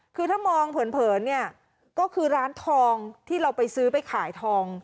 คือถ้ามองเผินเนี่ยก็คือร้านทองที่เราไปซื้อไปขายทอง